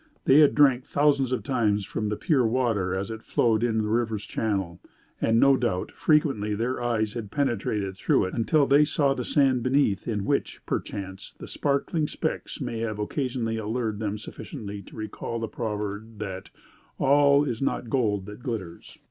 They had drank thousands of times from the pure water as it flowed in the river's channel, and, no doubt, frequently their eyes had penetrated through it until they saw the sand beneath in which, perchance, the sparkling specs may have occasionally allured them sufficiently to recall the proverb that "all is not gold that glitters."